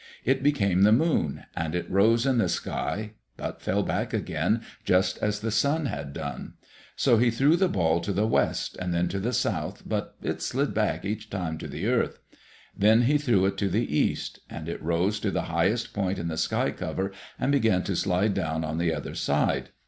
It became the moon, and it rose in the sky, but fell back again, just as the sun had done. So he threw the ball to the west, and then to the south, but it slid back each time to the earth. Then he threw it to the east, and it rose to the highest point in the sky cover and began to slide down on the other side.